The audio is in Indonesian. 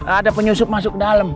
ada penyusup masuk dalem